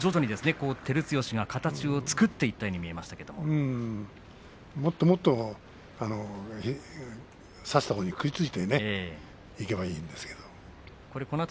徐々に照強が形を作っていったようにもっともっと相手に食いついてねいけばよかったんだけどね。